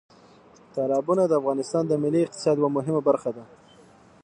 تالابونه د افغانستان د ملي اقتصاد یوه مهمه برخه ده.